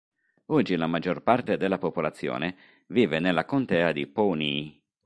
Oggi la maggior parte della popolazione vive nella Contea di Pawnee.